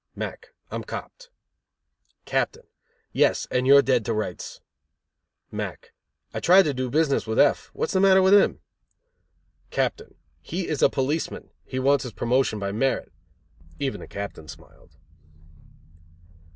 Mack: I'm copped. Captain: Yes, and you're dead to rights. Mack: I tried to do business with F . What is the matter with him? Captain: He is a policeman. He wants his promotion by merit. (Even the Captain smiled.)